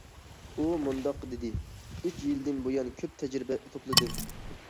ئۇ مۇنداق دېدى: ئۈچ يىلدىن بۇيان كۆپ تەجرىبە توپلىدىم.